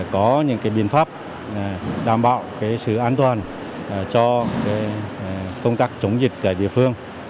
có những biện pháp đảm bảo sự an toàn cho công tác chống dịch tại địa phương